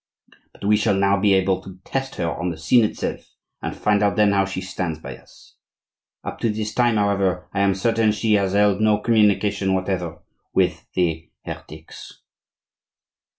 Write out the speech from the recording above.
But we shall now be able to test her on the scene itself, and find out then how she stands by us. Up to this time, however, I am certain she has held no communication whatever with the heretics."